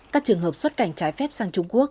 các trường hợp xuất cảnh trái phép sang trung quốc